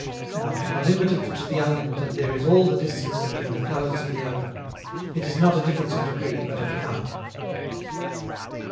Now, from the limited to the unlimited there is all the distance between the closed and the open. It is not a difference of degree, but of kind.